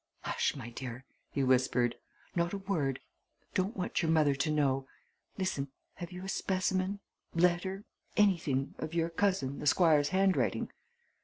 "Hush, my dear!" he whispered. "Not a word don't want your mother to know! Listen have you a specimen letter anything of your cousin, the Squire's handwriting?